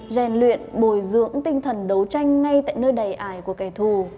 rèn luyện bồi dưỡng tinh thần đấu tranh ngay tại nơi đầy ải của kẻ thù